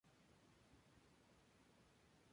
Así lo ha anunciado Capcom.